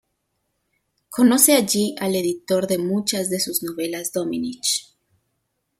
Conoce allí al editor de muchas de sus novelas, Domenech.